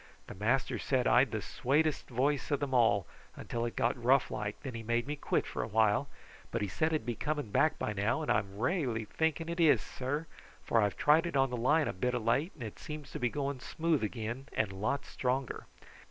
The master said I'd the swatest voice of them all until it got rough like, and then he made me quit for awhile, but he said it would be coming back by now, and I'm railly thinking it is, sir, for I've tried on the line a bit of late and it seems to go smooth again and lots stronger.